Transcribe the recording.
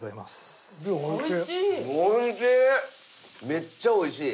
めっちゃ美味しい。